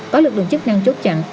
có lực lượng chức năng chốt chặn